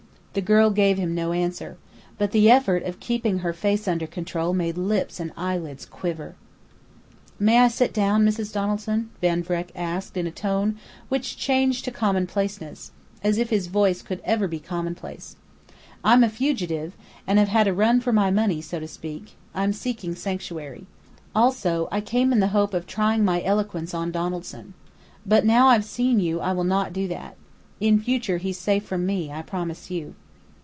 The girl gave him no answer. But the effort of keeping her face under control made lips and eyelids quiver. "May I sit down, Mrs. Donaldson?" Van Vreck asked in a tone which changed to commonplaceness if his voice could ever be commonplace. "I'm a fugitive, and have had a run for my money, so to speak. I'm seeking sanctuary. Also I came in the hope of trying my eloquence on Donaldson. But now I've seen you, I will not do that. In future he's safe from me, I promise you."